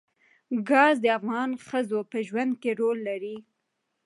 ګاز د افغان ښځو په ژوند کې رول لري.